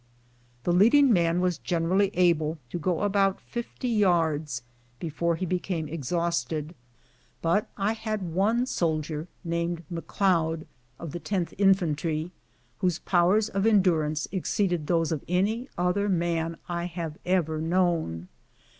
The leading man was generally able to go about fifty OUT OF TOBACCO. 233 yards before he became exhausted ; but I had one soldier, named McLeod, of the 10th Infantry, whose powers of en durance exceeded those of any other man I have ever known.